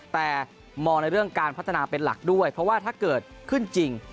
แต่มองในเรื่องการพัฒนาเป็นหลักด้วยเพราะว่าถ้าเกิดขึ้นจริง